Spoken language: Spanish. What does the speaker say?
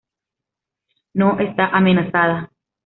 No está amenazada.